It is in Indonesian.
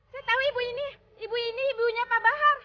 saya tahu ibu ini ibu ini ibunya pak bahar